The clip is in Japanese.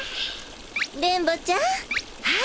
電ボちゃんはいこれ。